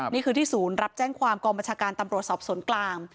นี่คือที่ศูนย์รับแจ้งความกองบัญชาการตำรวจสอบสวนกลาง